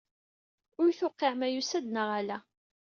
Ur yi-tewqiɛ ma yusa-d neɣ ala.